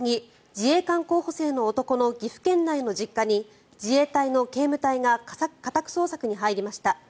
自衛官候補生の男の岐阜県内の実家に自衛隊の警務隊が家宅捜索に入りました。